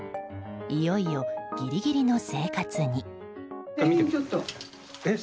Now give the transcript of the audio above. いよいよギリギリの生活に。